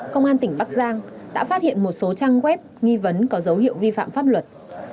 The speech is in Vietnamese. công an tỉnh bắc giang đã phát hiện một số trang web nghi vấn có dấu hiệu vi phạm pháp luật